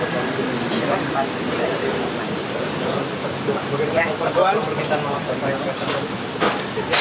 di tempat tempat yang dihidupkan